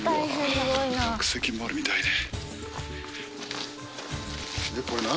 落石もあるみたいで。